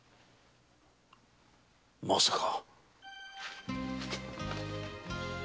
まさか！